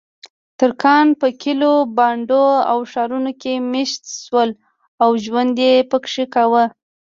ترکان په کلیو، بانډو او ښارونو کې میشت شول او ژوند یې پکې کاوه.